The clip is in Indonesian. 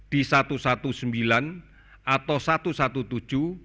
di satu ratus sembilan belas atau satu ratus tujuh belas